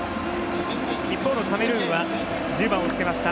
一方、カメルーンは１０番をつけました